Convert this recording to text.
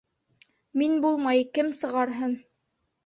Мин булмай, кем сығарһын?